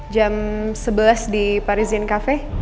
jam sebelas di parizin cafe